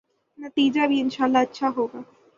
نتیجہ بھی انشاء اﷲ اچھا ہو گا۔